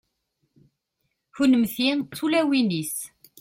kunemti d tulawin-is